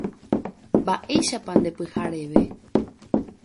Mba'éichapa nde pyhareve.